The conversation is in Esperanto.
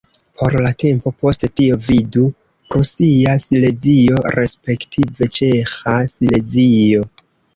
Por la tempo post tio, vidu: Prusia Silezio respektive Ĉeĥa Silezio.